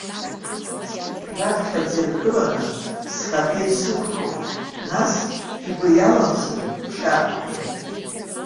Раԥхьаӡа иргыланы, схаҭа исықәкуп, нас, шәгәы иалымсын, шәарҭгьы.